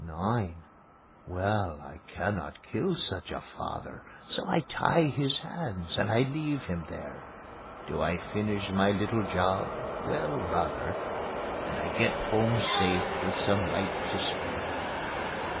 NINE! Well, I cannot kill such a father, So I tie his hands and I leave him there. Do I finish my little job? Well, rather; And I get home safe with some light to spare.